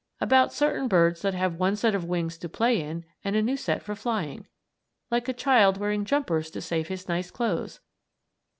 About certain birds that have one set of wings to play in and a new set for flying, like a child wearing jumpers to save his nice clothes!